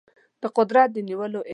د قدرت د نیولو ادعا نه لري.